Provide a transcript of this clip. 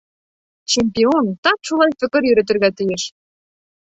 Чемпион тап шулай фекер йөрөтөргә тейеш.